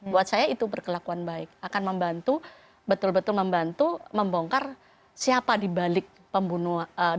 buat saya itu berkelakuan baik akan membantu betul betul membantu membongkar siapa dibalik pembunuhan